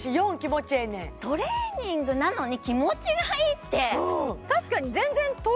はいトレーニングなのに気持ちがいいってうん